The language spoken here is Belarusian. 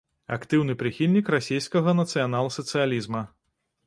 Актыўны прыхільнік расейскага нацыянал-сацыялізма.